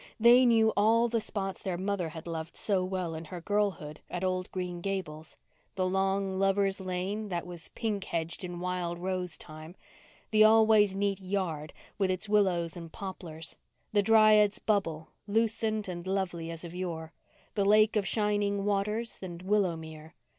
They knew all the spots their mother had loved so well in her girlhood at old Green Gables—the long Lover's Lane, that was pink hedged in wild rose time, the always neat yard, with its willows and poplars, the Dryad's Bubble, lucent and lovely as of yore, the Lake of Shining Waters, and Willowmere.